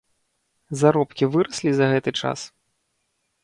Заробкі выраслі за гэты час?